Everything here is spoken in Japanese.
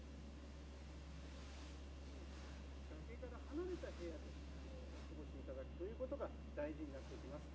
崖から離れた部屋でお過ごしいただくということが大事になってきます。